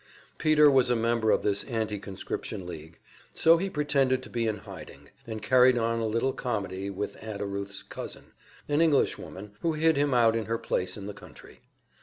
Peter was a member of this Anti conscription League, so he pretended to be in hiding, and carried on a little comedy with Ada Ruth's cousin, an Englishwoman, who hid him out in her place in the country.